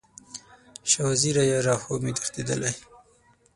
شاه وزیره یاره، خوب مې تښتیدلی